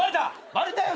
バレたよ